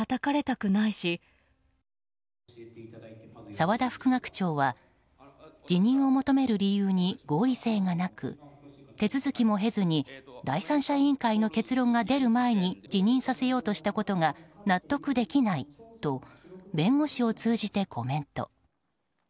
澤田副学長は辞任を求める理由に合理性がなく手続きも経ずに第三者委員会の結論が出る前に辞任させようとしたことが納得できないと弁護士を通じてコメント。